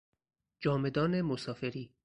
جامه دان مسافری